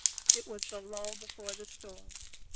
It was the lull before the storm.